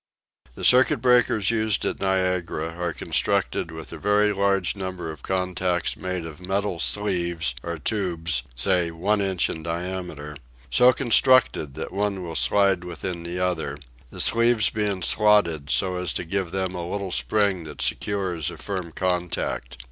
The circuit breakers used at Niagara are constructed with a very large number of contacts made of metal sleeves, or tubes, say one inch in diameter, so constructed that one will slide within the other; the sleeves being slotted so as to give them a little spring that secures a firm contact.